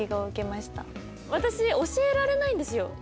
私教えられないんですよ。